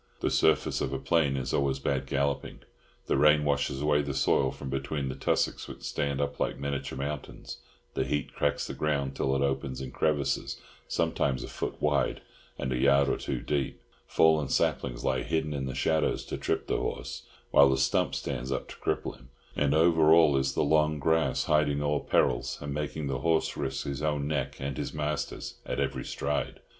The surface of a plain is always bad galloping. The rain washes away the soil from between the tussocks, which stand up like miniature mountains; the heat cracks the ground till it opens in crevices, sometimes a foot wide and a yard or two deep; fallen saplings lie hidden in the shadows to trip the horse, while the stumps stand up to cripple him, and over all is the long grass hiding all perils, and making the horse risk his own neck and his master's at every stride.